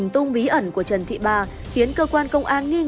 hành tung bí ẩn của trần thị ba khiến cơ quan đại dịch của trần thị ba bị phá hủy